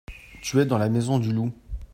tu es dans la maison du loup.